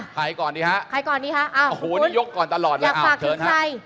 ใครก่อนดีคะอ๋อนี่ยกก่อนตลอดแล้ว